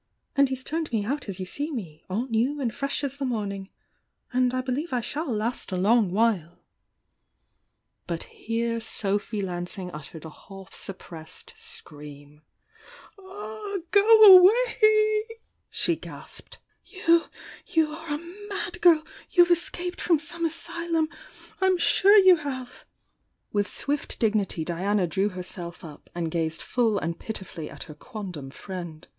And he's turned me out as you see me— all new and fresh as the morning! And I believe I shall last a long while!" m 828 THE YOUNG DIANA But here Sophy Lansing uttered a half suppreesed scream. "Go away!" she gasped— "You— you are a mad girl I You've escaped from some asylum! — I'm sure you have!" With swift d^ity Diana drew herself up and gazed full and pitifully at her quondam friend.